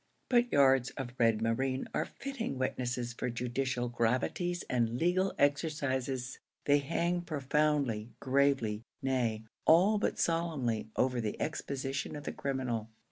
But yards of red moreen are fitting witnesses for judicial gravities and legal exercises. They hang profoundly, gravely nay, all but solemnly over the exposition of the criminal.